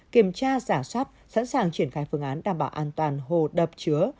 kiểm tra giả soát sẵn sàng triển khai phương án đảm bảo an toàn hồ đập chứa